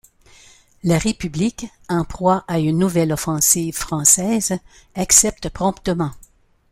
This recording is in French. La République, en proie à une nouvelle offensive française, accepte promptement.